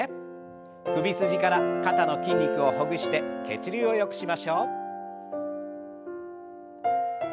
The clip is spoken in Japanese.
首筋から肩の筋肉をほぐして血流をよくしましょう。